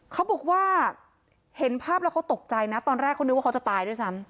เขาบอกว่าเห็นภาพแล้วเขาตกใจนะตอนแรกเขานึกว่าเขาจะตายด้วยซ้ำ